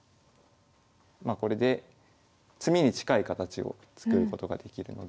まあこれで詰みに近い形を作ることができるので。